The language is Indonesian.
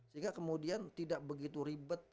sehingga kemudian tidak begitu ribet